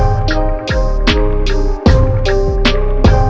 apa yang mau lo bicara